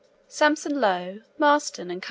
(Sampson Low, Marston and Co.)